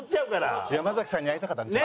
山崎さんに会いたかったんで。